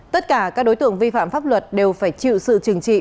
tất cả các đối tượng vi phạm pháp luật đều phải chịu sự trừng trị